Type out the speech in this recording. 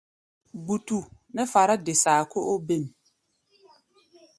Gbutu nɛ́ fará-de-saa kó óbêm.